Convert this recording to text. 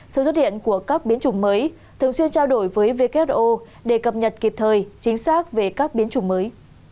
sự xuất hiện của các biến chủng mới thường xuyên trao đổi với who để cập nhật kịp thời chính xác về các biến chủng mới